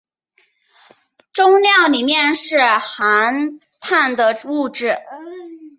终尿里面是含氮的物质。